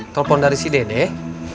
telepon dari si dedeh